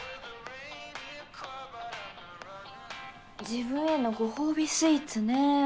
自分へのご褒美スイーツねえ